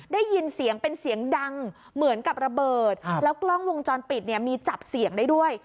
ได้ยินเสียงเป็นเสียงดังเหมือนกับระเบิดแล้วกล้องวงจรปิดเนี่ยมีจับเสียงได้ด้วย